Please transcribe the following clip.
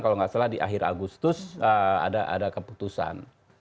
kalau nggak salah di akhir agustus ada keputusan